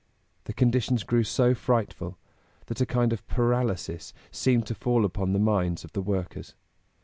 The conditions grew so frightful that a kind of paralysis seemed to fall upon the minds of the workers.